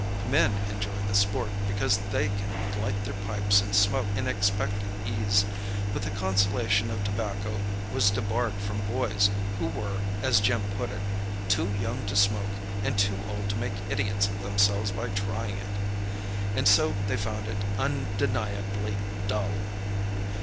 Men enjoy the sport, because they can light their pipes and smoke in expectant ease; but the consolation of tobacco was debarred from boys who were, as Jim put it, "too young to smoke and too old to make idiots of themselves by trying it," and so they found it undeniably dull.